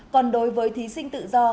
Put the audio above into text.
còn đối với thí sinh tự do